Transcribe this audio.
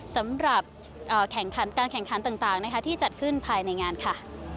สำหรับการแข่งขันต่างที่จัดขึ้นภายในงานค่ะ